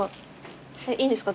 いいんですか？